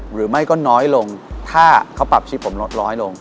หรือไม่ก็น้อยลงถ้าเขาปรับชีพผมลดน้อยลง